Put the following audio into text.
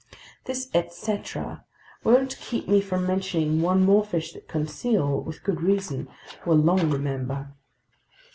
This "et cetera" won't keep me from mentioning one more fish that Conseil, with good reason, will long remember.